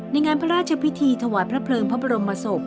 ในงานพระราชพิธีถวายพระเพลิงพระบรมศพ